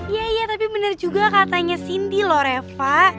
iya iya tapi bener juga katanya cindy loh reva